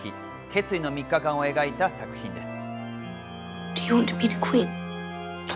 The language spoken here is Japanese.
決意の３日間を描いた作品です。